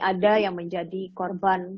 ada yang menjadi korban